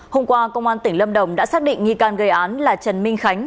hôm qua công an tỉnh lâm đồng đã xác định nghi can gây án là trần minh khánh